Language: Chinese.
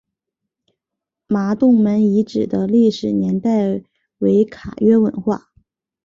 麻洞门遗址的历史年代为卡约文化。